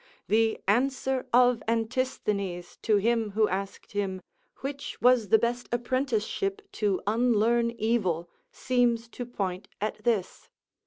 The answer of Antisthenes to him who asked him, which was the best apprenticeship "to unlearn evil," seems to point at this.